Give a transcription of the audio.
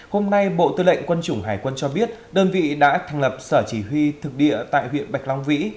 hôm nay bộ tư lệnh quân chủng hải quân cho biết đơn vị đã thành lập sở chỉ huy thực địa tại huyện bạch long vĩ